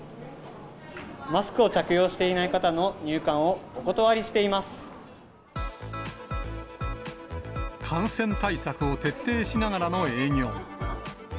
マスクを着用していない方の感染対策を徹底しながらの営業。